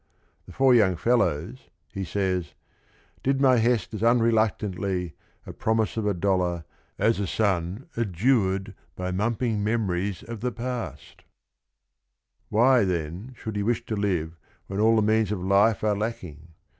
The four young fellows, he says "did my hest as unreluctantly, At promise of a dollar, as a son Adjured by mumping memories of the past 1 " Then, why should he wish to live when all the mean s of lite a re lacking?